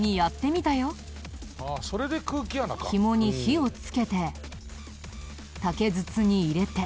ひもに火をつけて竹筒に入れて。